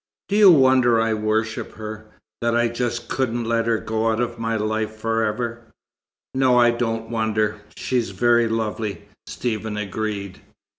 Do you wonder I worshipped her that I just couldn't let her go out of my life forever?" "No, I don't wonder. She's very lovely," Stephen agreed.